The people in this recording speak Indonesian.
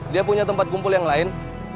dia punya tempat kumpul yang lain